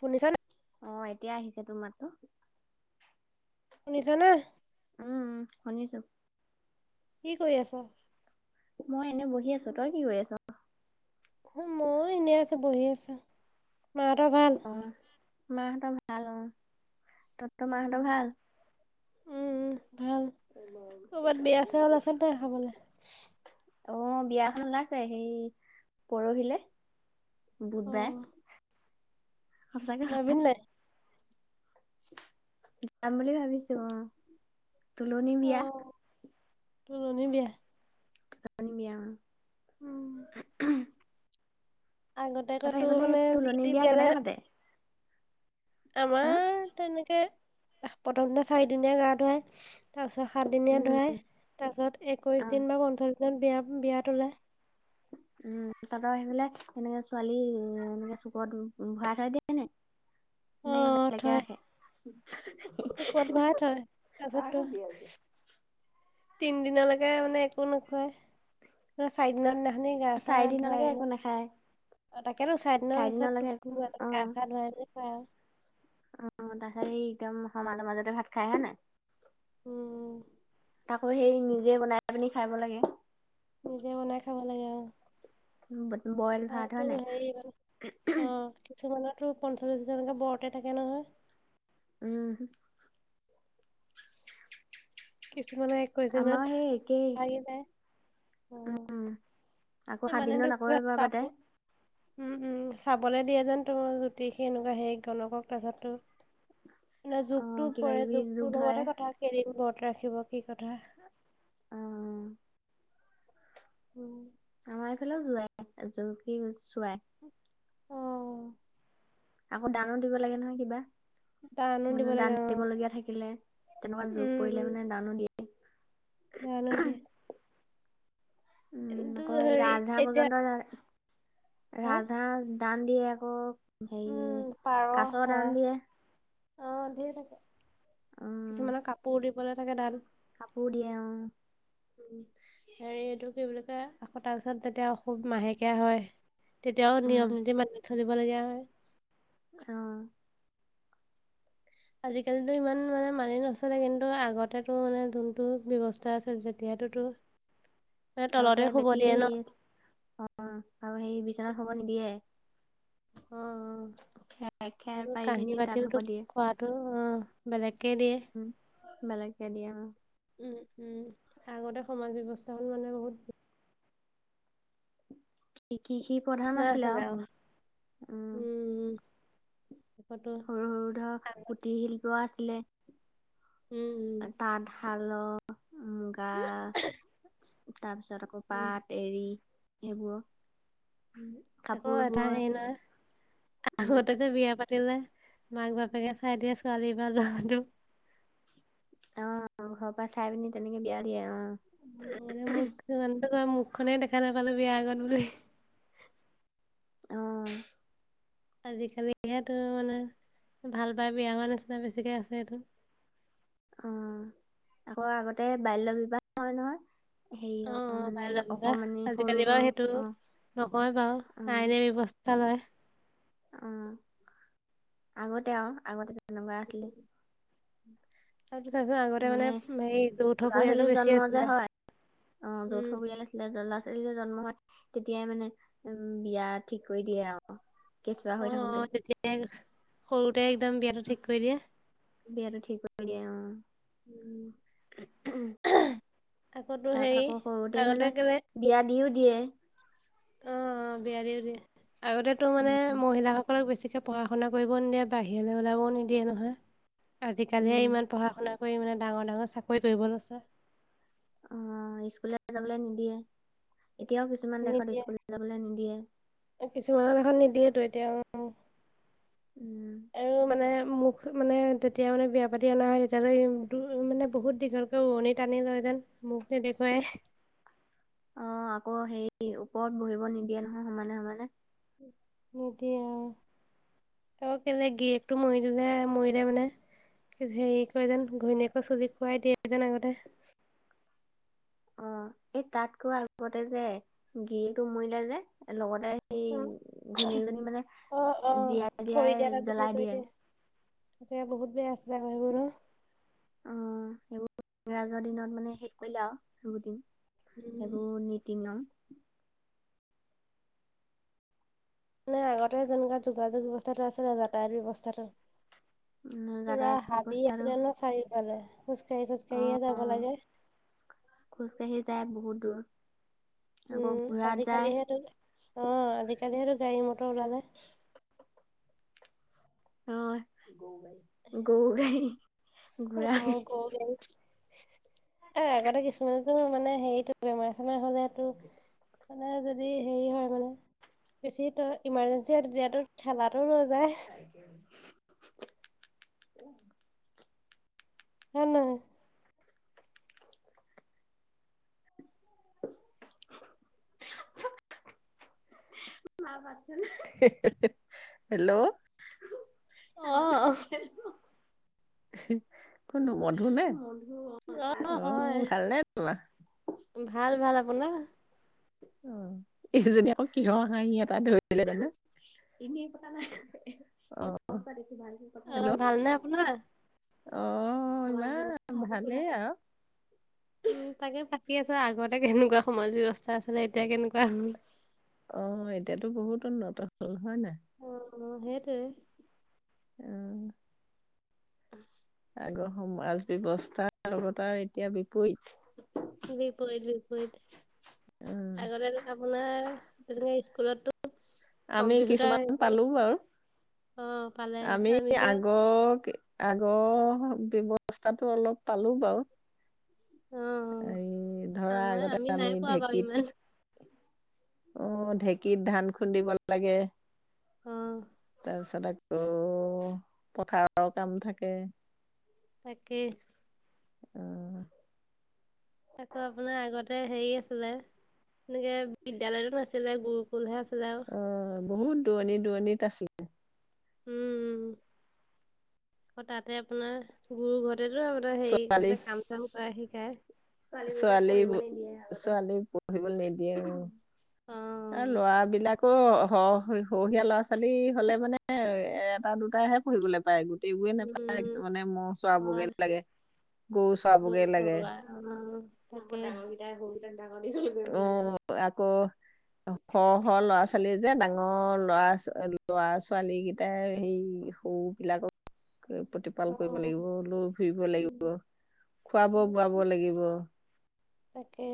শুনিচা নাই? অ', এতিয়া আহিছে তোৰ মাততো। শুনিছা নে? উম, শুনিছোঁ। কি কৰি আছা? মই এনে বহি আছোঁ তই কি কৰি আছ'? মই এনেই আছোঁ বহি আছো, মাহঁতৰ ভাল? অ' মাহঁতৰ ভাল অ' তহঁতৰ মাহঁতৰ উম ভাল? উম' ভাল কৰ'বাত বিয়া- চিয়া আছেনে নাই খাবলে? অ' বিয়াখন ওলাইছে, সেই পৰহিলে অ' বুধবাৰে। আ গ যাবি [unintelligible] নাই? যাম বুলি ভাবিছো অ' তুলনি বিয়া। তুলনী বিয়া। উম উ' আগতে মানে যি তুলনি টি বিয়া কেনেকে পাতে হা আমাৰ তেনেকে, প্ৰথমতে চাৰিদিনীয়া গা ধুৱাই। তাৰপিছত সাতদিনীয়া উম ধুৱায়। তাৰপিছত একৈছ অ দিন বা পঞ্চলছ দিনত বিয়া বিয়া তোলায়। উম' তহঁতৰ সেই পিনে এনেকে ছোৱালী এনেকে চুকত ভৰাই থৈ দিয়ে নে? নেই অ' বেলেগকে থয় ৰাখে? চুকত ভৰাই থয়। [unintelligible] তিন দিনলৈকে মানে একো নোখুৱাই চাৰি দিনত ন অথনি গা-চা চাৰিদিনলৈকে ধুৱাই। একো নাখায় অ' তাকেতো চাৰিদিনৰ পিছত চাৰিদিনলৈকে একো অ গা-চা ধুৱাই আৰু। অ' একদম সমাজৰ মাজতে ভাত খায় হয় নাই? উম উম। তাকো সেই নিজে বনাই পিনি খাই লাগে। নিজে বনাই খাব লাগে আৰু। বইল ভাত হয় নাই? কিছুমানৰো পঞ্চল্লিছ দিবলৈকে বৰতে থাকে নহয়। উম' কিছুমানে আমাৰ সেই একেই ভাঙি যায়। [unintelligible] আকৌ সাত মানে দিনত ৰ আকৌ ক এবাৰ চাব পাতে [unintelligible] চাবলৈ দিয়ে যেন তোৰ জ্যোতিষ সি এনেকুৱা হেইৰি গণকক তাৰপছত। অ যুগটো কিবা পৰে কিবি জোক যুগটো ধৰে লগতে কথা কেইদিন বত ৰাখিব কি কথা। অ' উম। আমাৰ এইফালেও যোৱাই চোৱাই। [unintelligible] অ আকৌ দানো দিব লাগে নহয় কিবা। দানো দিব মানে লাগে দান অ দিবলগীয়া থাকিলে তেনেকুৱা যুগ উম পৰিলে উম মানে দানো দিয়ে। দানো দিয়ে। উম' কিন্তু আকৌ হেৰি এতিয়া ৰাজ-হাঁহ হা? ৰাজ- হাঁহ দান দিয়ে আকৌ উম, হেৰি পাৰ, কাছৰ হাঁহ দান দিয়ে। অ' ধেৰ থাকে। উম কিছুমানৰ কাপোৰ দিবলে থাকে দান। কাপোৰ দিয়ে। অ' হেৰি এইটো কি বুলি কয় তাৰ পিছত যেতিয়া সুব মাহেকীয়া হয়। তেতিয়াও উম নিয়ম-নীতি মানি চলিবলগীয়া হয়। অ'। আজি-কালো ইমান মানে মানি নচলে। কিন্তু আগতে মানে যোনটো ব্যৱস্থা আছে যেতিয়াতোতো তলতে শুব দিয়ে ন? অ' আৰু সেই বিচনাত শুব নিদিয়ে। খেৰ অ' খেৰ আৰু পাৰি পিনি কাঁহী তাত হ'ব বাতিওতো দিয়ে খোৱাত। টো অ' বেলেগকে দিয়ে। উম, বেলেগকে দিয়া আৰু। উম উম, আগতে সমাজ ব্যৱস্থা হল মানে বহুত। কি কি সি প্ৰধান নিচিনা আছিলা আছিলে আও, আৰু। উম আকৌতো সৰু সৰু ধৰ কুটিৰ শিল্প আছিলে। উম উম। তাঁত শালঅ মুগা উম তাৰপিছত আকৌ উম পাত এৰি সেইবোৰ আকৌ কাপোৰ এটা বৈ হেৰি নহয়, উম আগতে যে বিয়া পাতি পাতে যে মাক বাপেকে চাই দিয়ে ছোৱালী বা লৰাটোক। অৱ ঘৰ পৰা চাই পিনি তেনেকে বিয়া দিয়ে অৱ। মানে মোক মানো ক মুখনে দেখা নাপালো বিয়া আগত বুলে অৱ। আজি কালিহেতো মানে ভাল পাই বিয়া হোৱাৰ নিচিনা বেছিকে আছে সটো। অৱ আকৌ আগতে বাল্য বিবাহ হয় নহয়। হেৰি অৱ অ অৱ মানে বাল্য বিবাহ অকমানি সৰু আজিকালি বাও সৰু সেইটো। অ নকও বাও আইনে ব্যৱস্থা লয়। অৱ আগতে আও আগতে তেনেকুৱা আছিলে। তাৰপিছত আকৌ আও মানে ল'ৰা ছোৱালী জন্ম যে আছিলে হয়, অৱ যৌথ উম পৰিয়ালে ল'ৰা ছোৱালী যে জন্ম হয় তেতিয়াই মানে উম বিয়া ঠিক কৰি দিয়ে আও। কেছোৱা অ হৈ অ থাকোংতে। তেতিয়াই সৰুতে একদম বিয়াতটো ঠিক কৰি দিয়ে। বিয়াতটো ঠিক কৰি দিয় অৱ। উম আকৌতো তাৰপিছত হেৰি আকৌ সৰুতেই মানে আগতে কেলে বিয়া দিও দিয়ে। অৱ বিয়া দিও দিয়ে আগতে মানে উম মহিলাসকলক বেছিকে পঢ়া-শুনা কৰিবও নিদিয়ে বাহিৰলৈ ওলাবও নিদিয়ে নহয়। আজি কালিহে উম ইমান পঢ়া-শুনা কৰি মানে ডাঙৰ ডাঙৰ চাকৰি কৰিব লৈছে। অৱ স্কুলে যাবলৈ নিদিয়ে এতিয়াও কিছুমান দেশত স্কুল যাবলৈ নিদিয়ে। এই কিছুমানত দেশত নিদিয়েতো এতিয়াও। উম। আৰু মানে মুখ মানে তেতিয়া মানে বিয়া পাতি অনা হয় তেতিয়ালৈ মানে বহুত দীঘল। তু উনি টানি লয় যেন মোক নে দেখুৱাই। অ আকৌ হেৰি ওপৰত বহিব নিদিয়ে নহয় সমানে সমানে। নিদিয়ে এই অ কেলে গিৰিয়েকতু মৰি দিলে মৰিলে মানে হেৰি কৰে যেন ঘৈণীয়েকৰ চুলি খুৱাই দিয়ে যেন আগতে। অ এই তাতকৈ আগতে যে গৰিটো মৰিলে যে লগতে এই অ', ঘৈণীয়েকজনী মানে অ', অ', জীয়াই দিয়াই জ্বলাই দিয়ে। তেতিয়া বহুত বেয়া আছিলে [unintelligible] উম সেইবোৰ ইংৰাজৰ দিনত মানে শেষ কৰিলে আও সেইবোৰ দিন। উম। এইবোৰ নীতি নিয়ম। নাই আগতে যেনেকুৱা যোগাযোগ ব্যৱস্থাটো আছে যাতায়ত ব্যৱস্থাটো। পুৰা যাতায়াত হাবি আছিলে ব্যৱস্থাটো ন চাৰিওফালে খোজ কাঢ়ি খোজ কাঢ়িয়ে যাব লাগে। খোজকাঢ়ি যায় বহুত দূৰত। উম আজিকালিহেতো অৱ আজিকালিহেতো গাড়ী মটৰ ওলালে। অৱ গৌও গাড়ী। ঘোঁৰা অৱ গোও গাড়ী। এ আগতে কিছুমানতো মানে হেৰিটো বেমাৰ চেমাৰ হলেটো মানে যদি হেৰি হয় মানে বেছি ত' ইমাৰ্জেঞ্চি হয় তেতিয়াতো ঠেলাটো লৈ যায়। [inaudible] হয় নে নহয়? [inaudible] হেল্ল'! অ', কোন নো মধু নে? অ ভাল নে তোমাৰ? ভাল ভাল। আপোনাৰ? অ এইকেইজনী আকৌ কিহৰ হাঁহি এটা ধৰিলে জানো অঁ অঁ। হেল্ল' অ', ভালনে আপোনাৰ? অঁ ইমান ভালেই আৰু। উম তাকে পাতি আছোঁ আগতে কেনেকুৱা সমাজ ব্যৱস্থা আছিলে এতিয়া কেনেকুৱা হল অঁ এতিয়াতো বহুত উন্নত হ'ল। হয় নাই? অঁ সেইটোয়ে। উম [inaudible] আগৰ সমাজ ব্যৱস্থাৰ লগত আৰু এতিয়া বিপৰীত বিপৰীত বিপৰীত উম, আগতে আপোনাৰ তেনেকে স্কুলতো আমি কম্পিউটাৰ কিছুমান সেইবোৰ পালো বাৰু। অ', পালে আমি আমিতো আগৰ আগৰ ব্যৱস্থাটো অলপ পালো বাৰু। অ', এই ধৰা আমাৰ আগতে নাই আমি পোৱা বাৰু ইমান ঢেঁকীত অঁ ঢেঁকীত ধান খুন্দিব লাগে। অ', তাৰপিছত আকৌ পথাৰৰ কাম থাকে। একেই। অঁ। আকৌ বোলে আগতে হেৰি আছিলে এনেকে বিদ্যালয়টো নাছিলে গুৰুকুল হে আছিলে আৰু। অঁ বহুত দূৰণি দূৰণিত আছিলে। উম অ তাতে আপোনাৰ গুৰু ঘৰ তেটো হেৰি ছোৱালী মুঠতে কাম চাম কৰাই শিকায়। ছোৱালী ছোৱালী পঢ়িবলৈ নিদিয়ে এ অ', লৰা বিলাক অ সৰহীয়া ল'ৰা ছোৱালী হলে মানে এটা দুটাইহে পঢ়িবলৈ পায় গো টেই বোৰে উম, নেপায় মানে মহ চোৱাবগে হয় লাগে গৰু চোৱাবগে লাগে। অহ ডাঙৰকেইটাই সৰু কেইটাক ডাঙৰ দিঘল কৰিব লাগে। অহ আকৌ সৰহ সৰহ ল'ৰা ছোৱালী যে ডাঙৰ ল'ৰা ল'ৰা ছোৱালী কেইটাই সেই সৰু বিলাকক প্ৰতিপাল কৰিব অ', লাগিব লৈ ফুৰিব লাগিব উম, খুৱাব বোৱাব লাগিব তাকে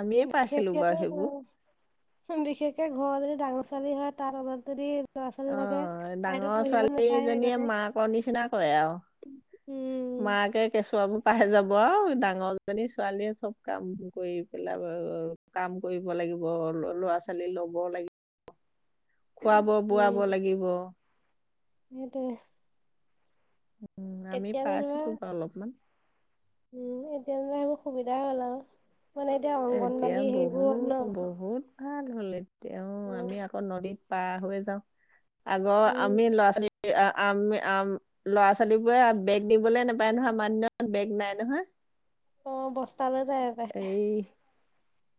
আমিয়ে পাইছিলো বাৰু বিশষকেটো সেইবোৰ বিশেষকে ঘৰত যদি ডাঙৰ ছোৱালী হয় তাৰ তলত যদি ল'ৰা ছোৱালী থাকে অঁ তাইতো ডাঙৰ পঢ়িব নাপায় ছোৱালীজনীয়ে আগতে মাকৰ নিচিনা কৰে আৰু উম। মাকে কেঁচুৱা বোৰ পাই যাব আৰু ডাঙৰজনী ছোৱালীয়ে চব কাম কৰি পেলাব আৰু কাম কৰিব লাগিব ল'ৰা ছোৱালী ল'ব লাগিব। খুৱাব বোৱাব লাগিব, সেইটো উ আমি পাই যেনিবা আছিলো বা অলপমান উম এতিয়া পৰা এইবোৰ সুবিধাই হ'ল আৰু। মানে এতিয়া এতিয়া অংগনবাদী বহু সেইবোৰ হ'ল ন' বহুত ভাল হ'ল এতিয়া অ উম, আমি আকৌ নদীত পাৰ হৈ যাওঁ - আগ আমি উম, ল'ৰা ছোৱালী, আমি আম ল'ৰা ছোৱালী বোৰে বেগ নিবলে নাপায় নহয় আমাৰ দিনত বেগ নাই নহয়। অ বস্তা লৈ যায় হপাই এই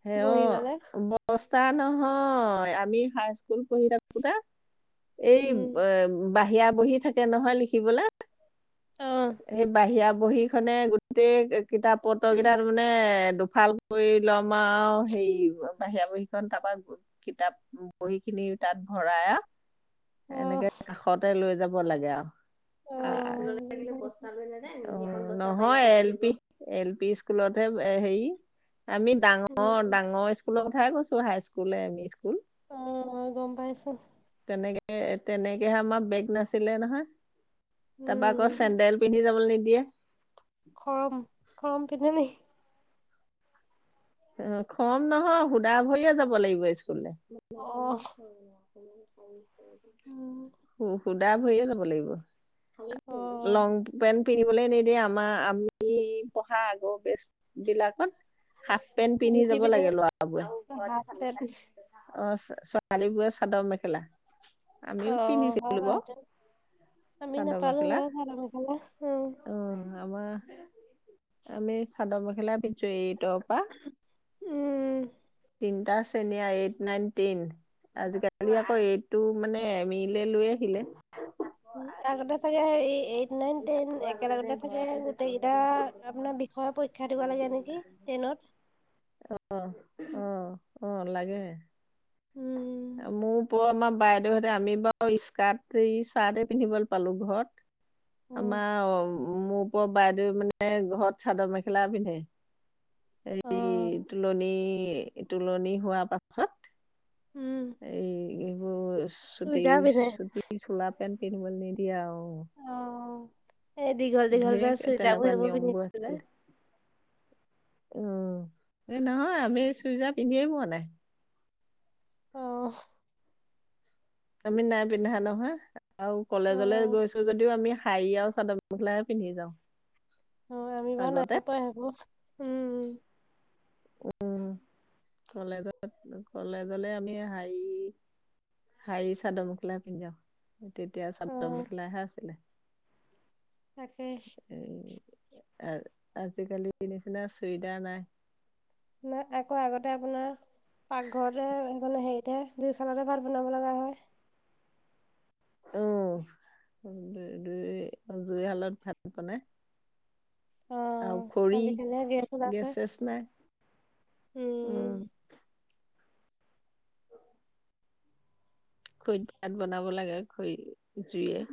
সে অ বহিবলে বস্তা নহয় আমি হাই স্কুল পঢ়ি থাকোতা এই উম এ বাহিৰা বহী থাকে নহয় লিখিবলে, আহ সেই বাহিৰা বহী খনে গ গোটেই কিতাপ পত্ৰ কেইটাৰ ত মানে দুফাল কৰি ল'ম তোমাৰ হেৰি বাহিৰা বহীখন তাৰপা কিতাপ বহি খিনি তাত ভৰাই এনেকে আহ কাষতে লৈ যাব লাগে আৰু আহ গম পাইছো উ নহয় এল পি এল পি স্কুলতহে হেৰি আমি উম ডাঙৰ ডাঙৰ স্কুলৰ কথাই কৈছো high school M E school অ অ গম পাইছোঁ। তেনেকে তেনেকেহে আমাৰ বেগ নাছিলে নহয় তাৰপৰা আকৌ উম চেডেল পিন্ধি যাবলে নিদিয়ে। খৰম খৰম পিন্ধে নে? উ খৰম নহয় সুধা ভৰিয়ে যাব লাগিব স্কুললে। অ উম শুদা ভৰিয়ে যাব লাগিব। অ লং পেন্ট পিন্ধিবলৈ নিদিয়ে আমাৰ আমি পঢ়া আগৰ বেষ্ট বিলাকত হাফ পেন্ট পিন্ধি যাব লাগে লৰাবোৰে হাফ পেন্ট অ ছোৱালী বোৰে চাদৰ মেখেলা অ আমিও হয় পিন্ধিছিলো বাৰু সেইটো। চাদৰ মেখেলা। ভালমে খালা উম [unintelligible] উ আমাৰ আমি চাদৰ মেখেলা পিন্ধিছোঁ এই তৰ পৰা উম তিনিটা শ্ৰেণী আ এইট নাইন টেন। আজিকালি আকৌ এইটটো মানে এম ইলে লৈ আহিলে আগতে চাগে হেৰি এইট নাইন টেন তাকো আগতে যে একেলগতে থাকে ঘৰতে যে চাদৰ মেখেলা গোটেইকেইটা পিন্ধি থাকে সেইটো আপোনাৰ বিষ পৰীক্ষা দিব লাগে নেকি টেইনত অ আহ আহ লাগে। উম মোৰ ওপৰৰ আমাৰ বাইদেউহতে আমি বাৰু স্কাৰ্ট এই চাৰ্টেই পিন্ধিব পালো ঘৰত উম আমাৰ মোৰ ওপৰৰ বাইদেউ মানে ঘৰত চাদৰ মেখেলা পিন্ধে। অ এই তুলনি তুলনি হোৱাৰ পাছত। উম এই এইবোৰ চুটি চুইজাৰ পিন্ধে চুটি চোলা পেন্ট পিন্ধিবলৈ নিদিয়ে আৰু এ দীঘল দীঘল ঢেৰ যে চুইজাৰ বোৰ তেনেকুৱা সেইবোৰ নিয়মবোৰ পিন্ধিছিলে। উ এই নহয় আমি চুইদাৰ পিন্ধিয়ে পোৱা নাই। অ আমি নাই পিন্ধা নহয় আও কলেজলে অ', গৈছো যদিও আমি শাৰী আৰু চাদ মেখেলা হে পিন্ধি যাওঁ অ আমি বাৰু আগতে নাই পোৱা হেবোৰ উম উম, কলেজত কলেজলে আমি হাই হাৰী চাদৰ মেখেলা পিন্ধি যাওঁ তেতিয়া চাদৰ অ', মেখেলাহে আছিলে তাকেই এ আজিকালি নিচিনা চুইদাৰ নাই নাই আকৌ আগতে আপোনাৰ পাকঘৰতে মানে হেৰিতে জুই শালতে ভাত বনাব লগা হয়। উম জুই জুই জুইশালত ভাত বনাই আৰু অ', খৰি আজিকালিহে গেছ ওলাইছে, চেছ নাই উম খৰিত ভাত বনাব লাগে খৰি জুইয়ে